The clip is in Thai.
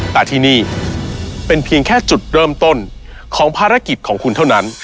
แต่ที่นี่เป็นเพียงแค่จุดเริ่มต้นของภารกิจของคุณเท่านั้น